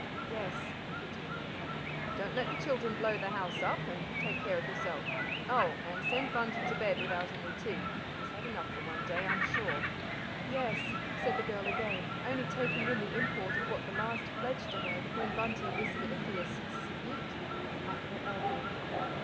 "Yes," repeated Meg. "Don't let the children blow the house up, and take care of yourself oh! and send Bunty to bed without any tea he's had enough for one day, I'm sure." "Yes," said the girl again, only taking in the import of what the last pledged her to when Bunty whispered a fierce "Sneak!" at her elbow.